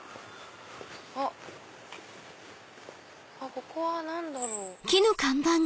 ここは何だろう？